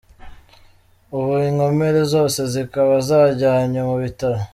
Ubu inkomere zose zikaba zajyanywe mu bitaro.